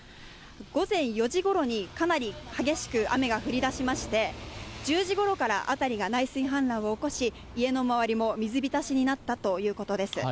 午前４時ごろにかなり激しく雨が降りだしまして、１０時ごろから、辺りが内水氾濫を起こし、家の周りも水浸しになったということです。